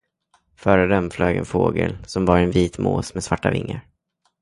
Före dem flög en fågel, som var en vit mås med svarta vingar.